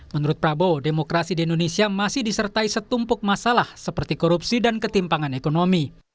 menurut prabowo demokrasi di indonesia masih disertai setumpuk masalah seperti korupsi dan ketimpangan ekonomi